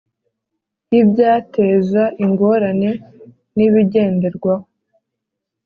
Y ibyateza ingorane n ibigenderwaho